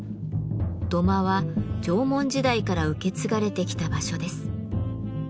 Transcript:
土間は縄文時代から受け継がれてきた場所です。